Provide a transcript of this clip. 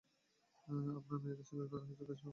আপনার মেয়েকে সিলেক্ট করা হয়েছে বেস্ট অব লাক!